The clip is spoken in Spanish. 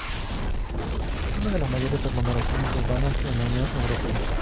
Es una de las mayores aglomeraciones urbanas en la Unión Europea.